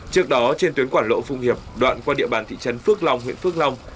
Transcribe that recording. trước đó trên tuyến quản lộ phung hiệp đoạn qua địa bàn thị trấn phước long huyện phước long